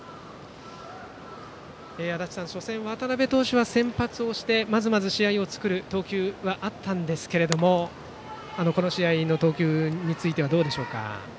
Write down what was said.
足達さん、初戦は渡部投手が先発をして、まずまず試合を作る投球があったんですがこの試合の投球についてはどうでしょうか。